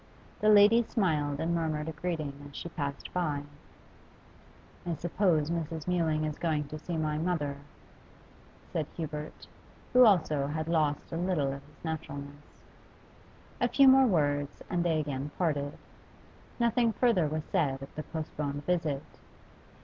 The lady smiled and murmured a greeting as she passed by. 'I suppose Mrs. Mewling is going to see my mother,' said Hubert, who also had lost a little of his naturalness. A few more words and they again parted. Nothing further was said of the postponed visit.